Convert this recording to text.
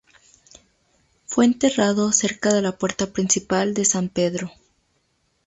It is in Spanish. Fue enterrado cerca de la puerta principal de San Pedro.